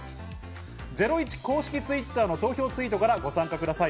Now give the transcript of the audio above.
ゼロイチ公式Ｔｗｉｔｔｅｒの投票ツイートからご参加ください。